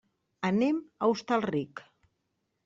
Anem a Hostalric.